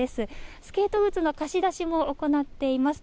スケート靴の貸し出しも行っています。